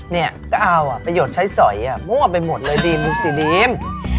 เนี่ยก้าวอ่ะประโยชน์ใช้สอยอ่ะมั่วไปหมดเลยดรีมดูสิดรีม